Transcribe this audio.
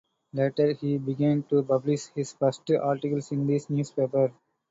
Later he began to publish his first articles in this newspaper.